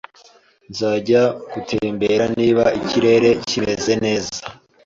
Nzajya gutembera niba ikirere kimeze neza